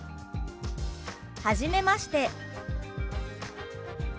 「はじめまして」。